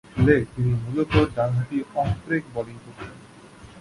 লে তিনি মূলতঃ ডানহাতি অফ-ব্রেক বোলিং করতেন।